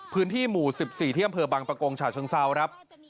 พื้นที่หมู่๑๔เที่ยมเผลอบังประกงชาวเชิงเศร้าครับ